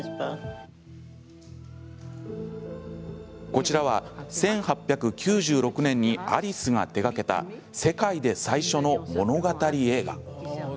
こちらは１８９６年にアリスが手がけた世界で最初の物語映画。